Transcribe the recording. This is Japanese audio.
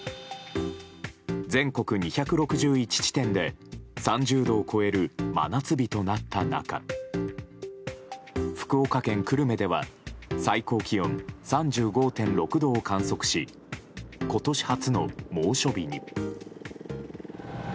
全国２６１地点で３０度を超える真夏日となった中福岡県久留米では最高気温３５．６度を観測し今年初の猛暑日に。